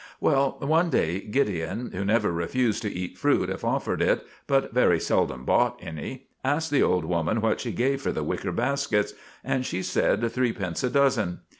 Well, one day Gideon, who never refused to eat fruit if offered it, but very seldom bought any, asked the old woman what she gave for the wicker baskets, and she said threepence a dozen.